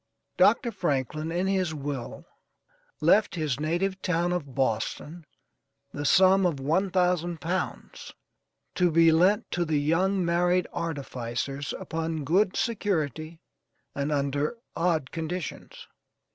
Dr. Franklin, in his will, left his native town of Boston, the sum of one thousand pounds, to be lent to the young married artificers upon good security and under odd conditions.